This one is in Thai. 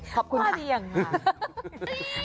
ขอบคุณครับ